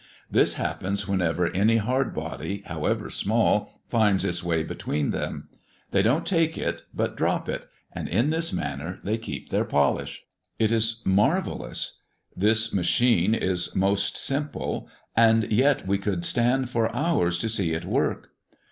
This happens whenever any hard body, however small, finds its way between them. They dont take it, but drop it, and in this manner they keep their polish." It is marvellous! This machine is most simple, and yet we could stand for hours to see it work.